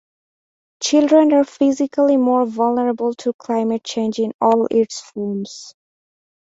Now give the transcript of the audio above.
Children are physically more vulnerable to climate change in all its forms.